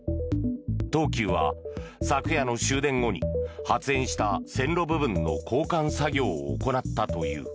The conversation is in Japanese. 東急は昨夜の終電後に発煙した線路部分の交換作業を行ったという。